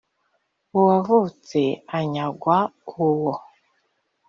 uwavutse anyagwa uwo